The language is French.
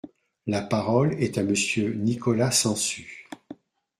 La parole est à Monsieur Nicolas Sansu.